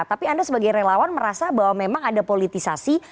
tapi anda sebagai relawan merasa bahwa memang ada politisasi